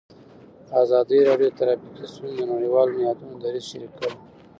ازادي راډیو د ټرافیکي ستونزې د نړیوالو نهادونو دریځ شریک کړی.